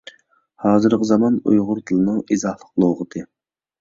ھازىرقى زامان ئۇيغۇر تىلىنىڭ ئىزاھلىق لۇغىتى